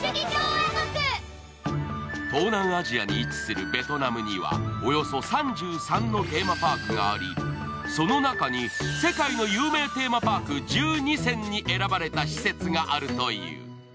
東南アジアに位置するベトナムにはおよそ３３のテーマパークがありその中に世界の有名テーマパーク１２選に選ばれた施設があるという。